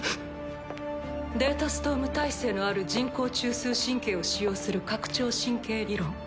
データストーム耐性のある人工中枢神経を使用する拡張神経理論。